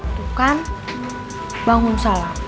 itu kan bangun salah